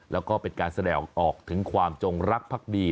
แล้วก็เป็นการแสดงออกถึงความจงรักภักดี